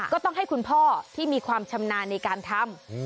ก็ต้องให้คุณพ่อที่มีความชำนาญในการทำ